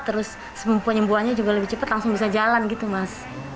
terus penyembuhannya juga lebih cepat langsung bisa jalan gitu mas